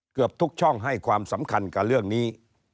เกือบทุกช่องให้ความสำคัญกับเรื่องนี้